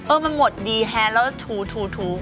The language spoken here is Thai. เออมันหมดดีแฮนด์แล้วทู